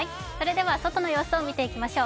外の様子を見ていきましょう。